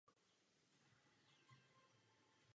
Adolf stál v čele Švédska v době jeho největší expanze.